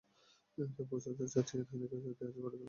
তবে বুঝত চাচা ইয়ান হিলি ইতিহাস গড়ে খুলে রাখছেন গ্লাভস জোড়া।